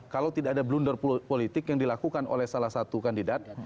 kalau tidak ada blunder politik yang dilakukan oleh salah satu kandidat